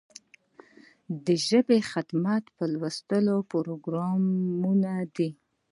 د ژبې خدمت په لوست پروګرامونو دی.